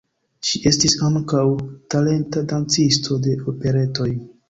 Ŝi estis ankaŭ talenta dancisto de operetoj.